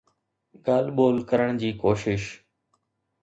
ڳالهه ٻولهه ڪرڻ جي ڪوشش.